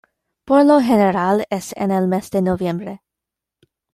Por lo general es en el mes de noviembre.